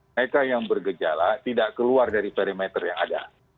mereka yang bergejala tidak keluar dari perimeter yang ada